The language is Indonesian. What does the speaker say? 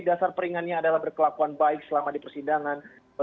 dasar peringannya adalah berkelakuan baik selama di persidangan